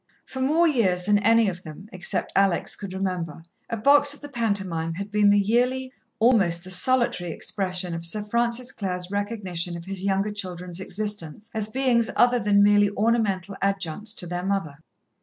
For more years than any of them, except Alex, could remember, a box at the pantomime had been the yearly almost the solitary, expression of Sir Francis Clare's recognition of his younger children's existence as beings other than merely ornamental adjuncts to their mother.